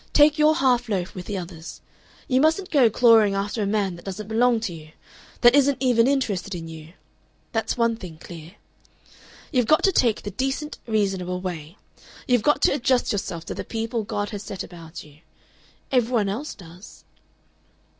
Take your half loaf with the others. You mustn't go clawing after a man that doesn't belong to you that isn't even interested in you. That's one thing clear. "You've got to take the decent reasonable way. You've got to adjust yourself to the people God has set about you. Every one else does."